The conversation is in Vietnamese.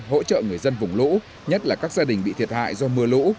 hỗ trợ người dân vùng lũ nhất là các gia đình bị thiệt hại do mưa lũ